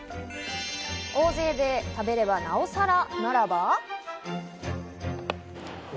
大勢で食べれば、なおさら。